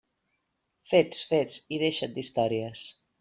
Fets, fets, i deixa't d'històries.